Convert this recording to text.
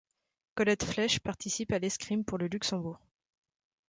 Colette Flesch participe à l'escrime pour le Luxembourg.